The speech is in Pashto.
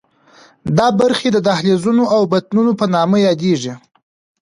دا برخې د دهلیزونو او بطنونو په نامه یادېږي.